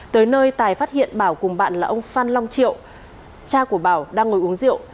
tới nơi tài phát hiện bảo cùng bạn là ông phan long triệu cha của bảo đang ngồi uống rượu